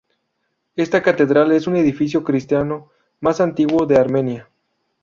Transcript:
Esta catedral es el edificio cristiano más antiguo de Armenia.